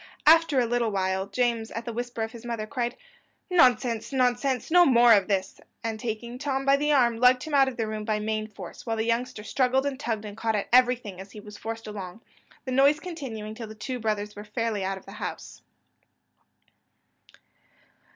After a little while, James, at the whisper of his mother, cried, "Nonsense, nonsense! no more of this;" and taking Tom by the arm, lugged him out of the room by main force; whilst the youngster struggled and tugged and caught at everything as he was forced along, the noise continuing till the two brothers were fairly out of the house.